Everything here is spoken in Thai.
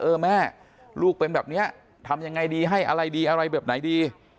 เออแม่ลูกเป็นแบบนี้ทำยังไงดีให้อะไรดีอะไรแบบไหนดี